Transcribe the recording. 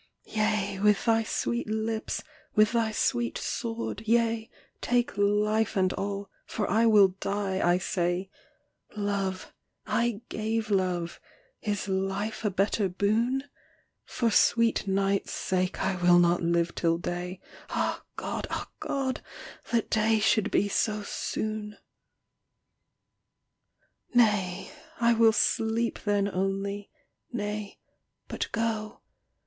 Yea, with thy sweet lips, with thy sweet sword; yea, Take life and all, for I will die, I say; Love, I gave love, is life a better boon? For sweet night's sake I will not live till day; Ah God, ah God, that day should be so soon. Nay, I will sleep then only; nay, but go.